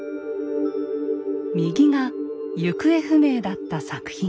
右が行方不明だった作品。